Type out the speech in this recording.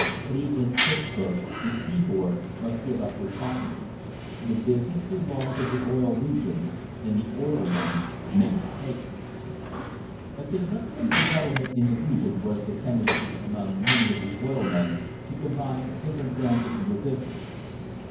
Cleveland, Pittsburg— the Seaboard —must give up refining. The business belonged to the Oil Regions, and the oil men meant to take it. A significant development in the region was the tendency among many of the oil men to combine different branches of the business.